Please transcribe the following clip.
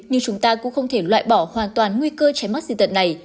nhưng chúng ta cũng không thể loại bỏ hoàn toàn nguy cơ trái mắt diện tật này